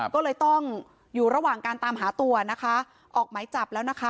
ก็เลยต้องอยู่ระหว่างการตามหาตัวนะคะออกหมายจับแล้วนะคะ